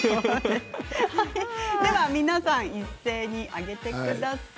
では皆さん一斉に上げてください。